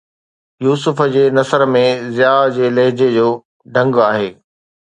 يوسف جي نثر ۾ ضياءَ جي لهجي جو ڍنگ آهي